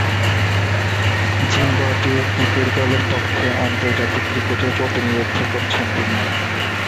Zimbabwe cricket দলের পক্ষে আন্তর্জাতিক ক্রিকেটে প্রতিনিধিত্ব করছেন তিনি।